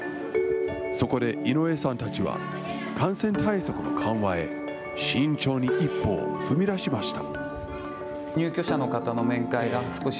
そこで井上さんたちは、感染対策の緩和へ、慎重に一歩を踏み出しました。